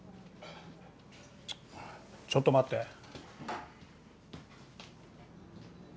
ちょっと待って。